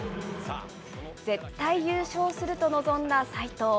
絶対優勝すると臨んだ斉藤。